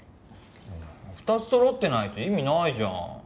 ２つそろってないと意味ないじゃん。